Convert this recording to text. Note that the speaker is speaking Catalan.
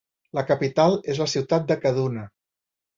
La capital és la ciutat de Kaduna.